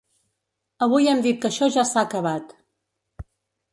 Avui hem dit que això ja s’ha acabat.